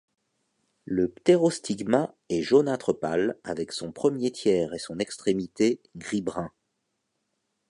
Le ptérostigma est jaunâtre pâle avec son premier tiers et son extrémité gris brun.